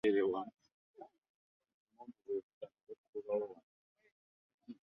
Oweekitiibwa Mayiga agambye nti omutindo gw'enkulaakulana mu nsi yonna gulabikira mu bya nsula